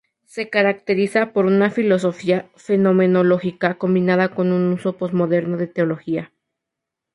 Se caracteriza por una filosofía fenomenológica combinada con un uso posmoderno de la teología.